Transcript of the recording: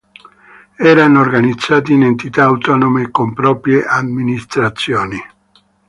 Erano organizzati in entità autonome con proprie amministrazioni.